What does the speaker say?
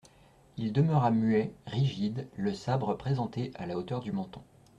Il demeura muet, rigide, le sabre présenté à la hauteur du menton.